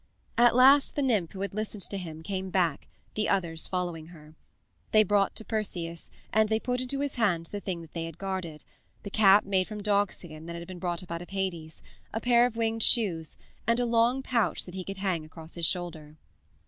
At last the nymph who had listened to him came back, the others following her. They brought to Perseus and they put into his hands the things they had guarded the cap made from dogskin that had been brought up out of Hades, a pair of winged shoes, and a long pouch that he could hang across his shoulder.